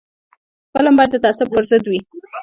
فلم باید د تعصب پر ضد وي